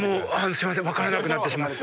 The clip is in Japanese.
すいません分からなくなってしまって。